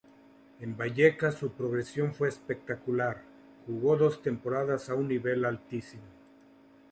En Vallecas, su progresión fue espectacular, jugó dos temporadas a un nivel altísimo.